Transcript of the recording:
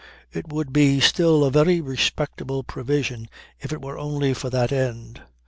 It would be still a very respectable provision if it were only for that end.